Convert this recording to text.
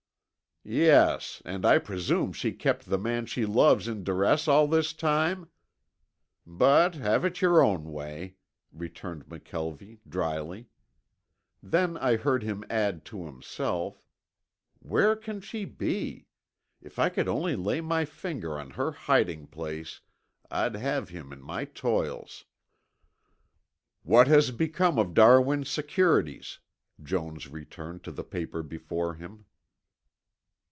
"Yes, and I presume she kept the man she loves in duress all this time? But have it your own way," returned McKelvie, dryly. Then I heard him add to himself, "Where can she be? If I could only lay my finger on her hiding place, I'd have him in my toils." "What has become of Darwin's securities?" Jones returned to the paper before him.